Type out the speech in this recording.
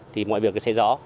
thì mọi việc sẽ rõ